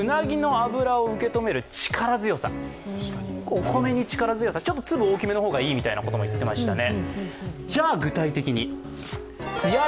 お米に力強さ、ちょっと粒が大きめの方がいいということも言っていましたね。